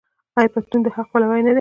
آیا پښتون د حق پلوی نه دی؟